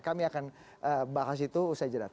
kami akan bahas itu usai jadat bersama kami